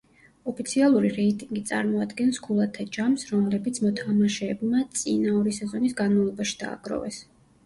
ოფიციალური რეიტინგი წარმოადგენს ქულათა ჯამს, რომლებიც მოთამაშეებმა წინა ორი სეზონის განმავლობაში დააგროვეს.